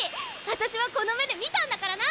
私はこの目で見たんだからな！